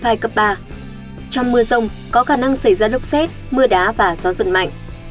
trong mưa rông có khả năng xảy ra lốc xét mưa đá và gió giật mạnh